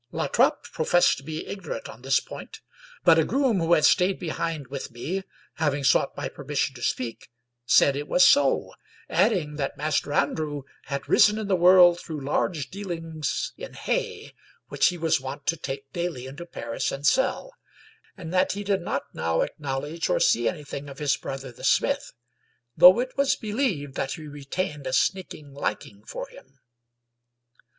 La Trape professed to be ignorant on this point, but a groom who had stayed behind with me, having sought my permission to speak, said it was so, adding that Master Andrew had risen in the world through large dealings in hay, which he was wont to take daily into Paris and sell, and that he did not now acknowledge or see anything of his brother the smith, though it was believed that he re tained a sneaking liking for him.